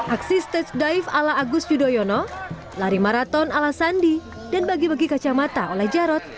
aksi stage dive ala agus yudhoyono lari maraton ala sandi dan bagi bagi kacamata oleh jarod